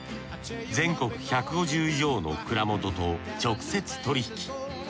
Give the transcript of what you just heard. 全国１５０以上の蔵元と直接取り引き。